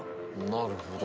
なるほど。